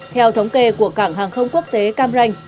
theo thống kê của cảng hàng không quốc tế cam ranh